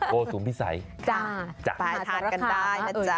โกสุมพิสัยจะไปทานกันได้นะจ๊ะ